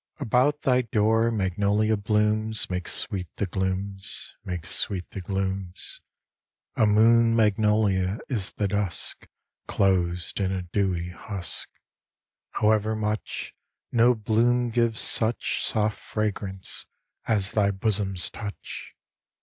About thy door magnolia blooms Make sweet the glooms, make sweet the glooms; A moon magnolia is the dusk Closed in a dewy husk. However much, No bloom gives such Soft fragrance as thy bosom's touch.